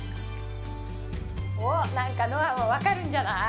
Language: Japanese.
おっ、なんかノアも分かるんじゃない？